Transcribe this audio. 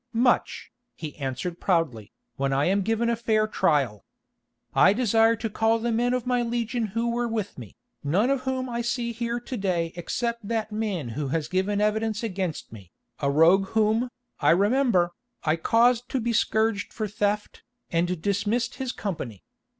"Much," he answered proudly, "when I am given a fair trial. I desire to call the men of my legion who were with me, none of whom I see here to day except that man who has given evidence against me, a rogue whom, I remember, I caused to be scourged for theft, and dismissed his company.